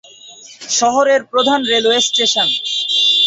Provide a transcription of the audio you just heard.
শহরের প্রধান railway station.